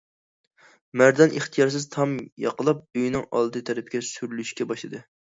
مەردان ئىختىيارسىز تام ياقىلاپ ئۆينىڭ ئالدى تەرىپىگە سۈرۈلۈشكە باشلىدى.